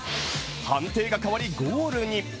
判定が変わるゴールに。